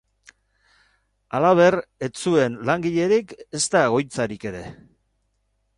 Halaber, ez zuen langilerik, ezta egoitzarik ere.